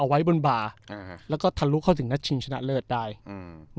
ไว้บนบาร์อ่าฮะแล้วก็ทะลุเข้าถึงนัดชิงชนะเลิศได้อืม